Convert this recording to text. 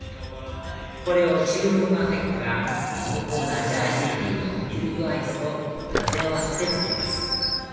これを注文が入ったら濃厚なジャージー牛のミルクアイスと混ぜ合わせて作ります